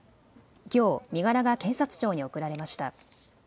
きょう身柄が検察庁に送られました。